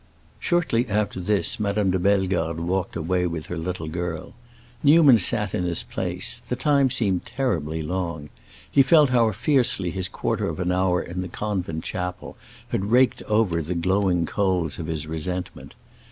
Shortly after this Madame de Bellegarde walked away with her little girl. Newman sat in his place; the time seemed terribly long. He felt how fiercely his quarter of an hour in the convent chapel had raked over the glowing coals of his resentment.